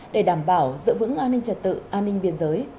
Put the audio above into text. để đảm bảo giữ vững an ninh trật tự an ninh biên giới